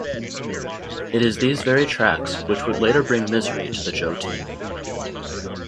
It is these very tracks which would later bring misery to the Joe team.